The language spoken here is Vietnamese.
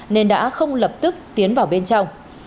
nên đã không lập tức tiến vào bên trong